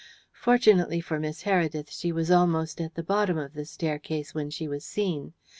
Fortunately for Miss Heredith, she was almost at the bottom of the staircase when she was seen.